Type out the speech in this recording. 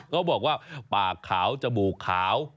เขาบอกว่าปากขาวจมูกขาว